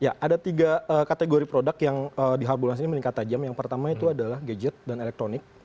ya ada tiga kategori produk yang di harbolasi ini meningkat tajam yang pertama itu adalah gadget dan elektronik